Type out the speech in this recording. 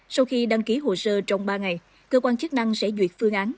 sau khi đăng ký hồ sơ trong ba ngày cơ quan chức năng sẽ duyệt phương án